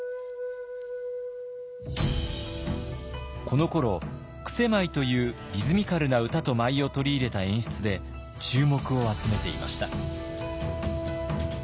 このころ曲舞というリズミカルな歌と舞を取り入れた演出で注目を集めていました。